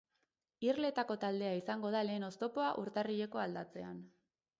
Irletako taldea izango da lehen oztopoa urtarrileko aldatzean.